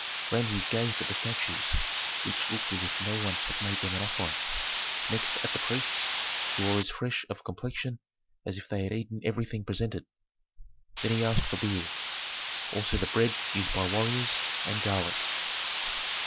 Rameses gazed at the statues, which looked as if no one had made them an offering; next at the priests, who were as fresh of complexion as if they had eaten everything presented; then he asked for beer, also the bread used by warriors, and garlic.